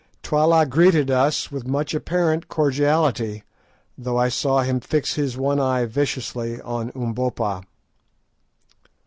Twala greeted us with much apparent cordiality, though I saw him fix his one eye viciously on Umbopa.